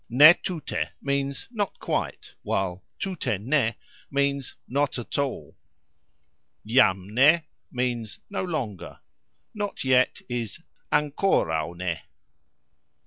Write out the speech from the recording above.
"Ne tute" means "not quite," while "tute ne" means "not at all." "Jam ne" means "no longer." "Not yet" is "ankoraux ne".